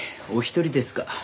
お一人ですか？